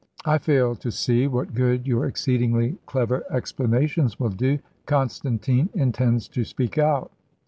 "I fail to see what good your exceedingly clever explanations will do. Constantine intends to speak out."